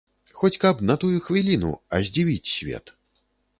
Хоць каб на тую хвіліну, а здзівіць свет.